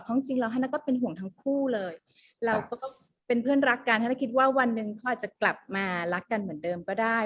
เพราะจริงเราให้นัทก็เป็นห่วงทั้งคู่เลยเราก็เป็นเพื่อนรักกันถ้านัทคิดว่าวันหนึ่งเขาอาจจะกลับมารักกันเหมือนเดิมก็ได้